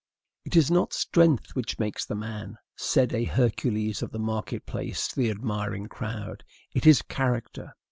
"It is not strength which makes the man," said a Hercules of the market place to the admiring crowd; "it is character."